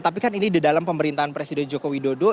tapi kan ini di dalam pemerintahan presiden joko widodo